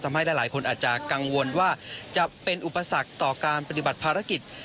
หลายคนอาจจะกังวลว่าจะเป็นอุปสรรคต่อการปฏิบัติภารกิจ